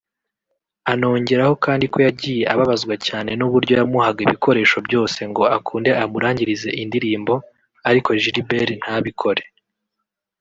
Anongeraho kandi ko yagiye ababazwa cyane n’uburyo yamuhaga ibikoresho byose ngo akunde amurangirize indirmbo ariko Gilbert ntabikore